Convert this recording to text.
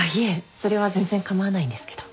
それは全然かまわないんですけど。